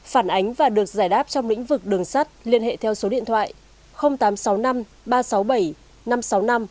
phản ánh và được giải đáp trong lĩnh vực đường sắt liên hệ theo số điện thoại tám trăm sáu mươi năm ba trăm sáu mươi bảy năm trăm sáu mươi năm